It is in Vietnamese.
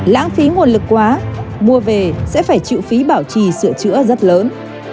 lãng phí nguồn lực quá mua về sẽ phải chịu phí bảo trì sửa chữa rất lớn